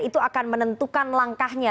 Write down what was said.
itu akan menentukan langkahnya